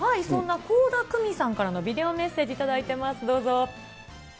そんな倖田來未さんからのビデオメッセージ頂いてます、どうぞ。